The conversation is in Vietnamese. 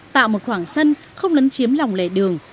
tạo một khoảng sân không lấn chiếm lòng lề đường